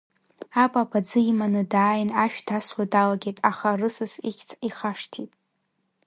Апап аӡы иманы дааин ашә дасуа далагеит, аха рысыс ихьыӡ ихашҭит.